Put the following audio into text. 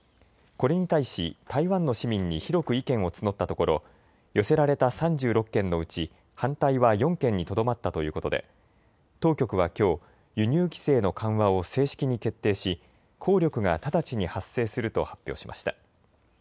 これに対し台湾の市民に広く意見を募ったところ寄せられた３６件のうち反対は４件にとどまったということで当局はきょう輸入規制の緩和を正式に決定し効力が直ちに発生すると発表しました。